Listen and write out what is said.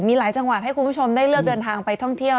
มีหลายจังหวัดให้คุณผู้ชมได้เลือกเดินทางไปท่องเที่ยว